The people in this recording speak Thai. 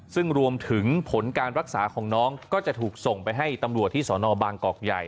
ซึ่งรวมถึงผลการรักษาของน้องก็จะถูกส่งไปให้ตำรวจที่สนบางกอกใหญ่